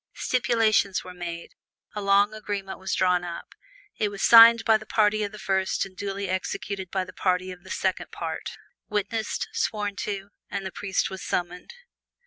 Stipulations were made; a long agreement was drawn up; it was signed by the party of the first and duly executed by the party of the second part; sealed, witnessed, sworn to, and the priest was summoned.